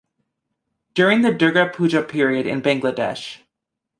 During the Durga Puja period in Bangladesh.